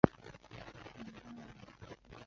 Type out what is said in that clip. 西北大学政治经济学专业毕业。